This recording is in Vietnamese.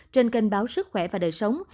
trên kênh báo sức khỏe và đời sống